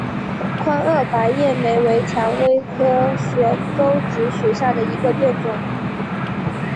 宽萼白叶莓为蔷薇科悬钩子属下的一个变种。